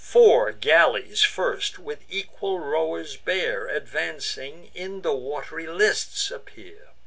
Four galleys first, which equal rowers bear, Advancing, in the wat'ry lists appear.